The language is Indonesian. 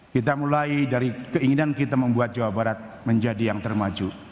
kita mulai dari keinginan kita membuat jawa barat menjadi yang termaju